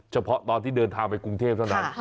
เฉพาะตอนที่เดินทางไปกรุงเทพเท่านั้น